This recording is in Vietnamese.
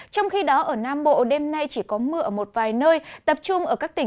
trong khi đó ở nam bộ đêm nay chỉ có mưa ở một vài nơi